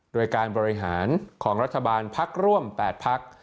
โดยการบริหารของรัฐบาลพักร่วม๘พัก